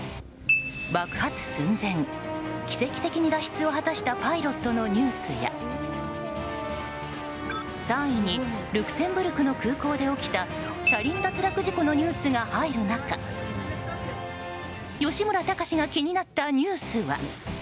爆発寸前、奇跡的に脱出を果たしたパイロットのニュースや３位にルクセンブルクの空港で起きた車輪脱落事故のニュースが入る中吉村崇が気になったニュースは？